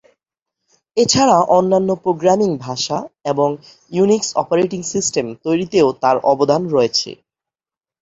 এছাড়া অন্যান্য প্রোগ্রামিং ভাষা এবং ইউনিক্স অপারেটিং সিস্টেম তৈরিতেও তার অবদান রয়েছে।